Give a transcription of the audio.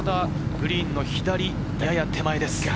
グリーンの左、やや手前です。